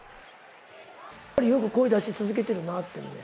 やっぱりよく声出し続けてるなってね。